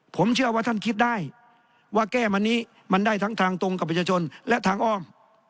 ผมเชื่อว่าท่านคิดได้ว่าแก้มานี้มันได้ทั้งทางตรงกับประชาชนและทางอ้อม